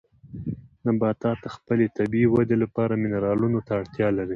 نباتات د خپلې طبیعي ودې لپاره منرالونو ته اړتیا لري.